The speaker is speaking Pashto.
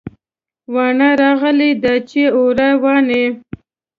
واڼه راغلې ده چې اوړه واڼي